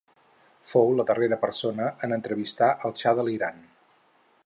Fou la darrera persona en entrevistar el Xa de l'Iran.